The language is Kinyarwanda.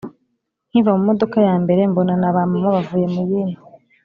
Nkiva mu modoka ya mbere mbona na ba mama bavuye mu yindi